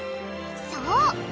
そう！